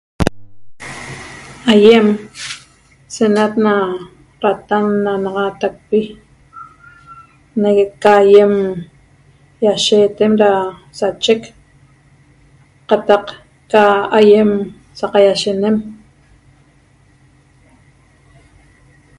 Aiem senat na ratannaxanaxatacpi negue ca aiem iashetem ra sachec qataq ca aiem saqaiashenem